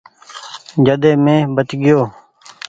جڏي مينٚ بچ گيو